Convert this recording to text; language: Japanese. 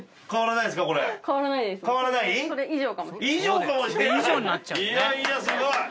いやいやすごい。